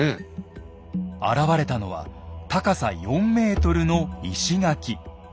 現れたのは高さ４ｍの石垣。